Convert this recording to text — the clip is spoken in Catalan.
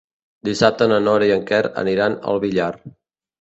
Dissabte na Nora i en Quer aniran al Villar.